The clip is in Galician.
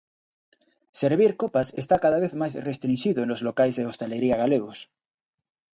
Servir copas está cada vez máis restrinxido nos locais de hostalería galegos.